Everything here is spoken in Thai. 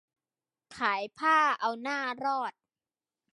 ขายผ้าเอาหน้ารอด